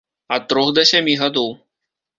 Ад трох да сямі гадоў.